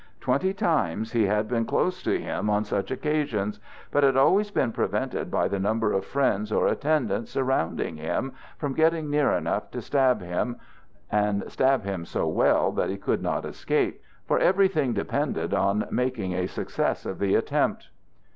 Twenty times he had been close to him on such occasions, but had always been prevented by the number of friends or attendants surrounding him from getting near enough to stab him, and stab him so well that he could not escape; for everything depended on making a success of the attempt.